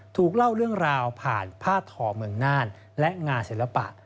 ถูกเล่าเรื่องราวผ่านผ้าทอเมืองน่านและงานศิลปะ